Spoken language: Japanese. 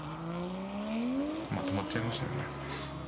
止まっちゃいましたよね。